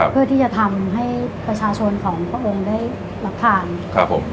เพื่อที่จะทำให้ประชาชนของพระองค์ได้รับทานครับผม